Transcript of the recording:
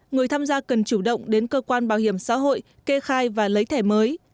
người tham gia cần chủ động đến cơ quan bảo hiểm xã hội kê khai và lấy thẻ mới